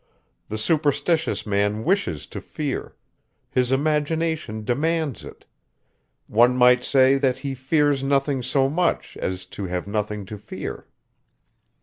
The superstitious man wishes to fear; his imagination demands it; one might say, that he fears nothing so much, as to have nothing to fear.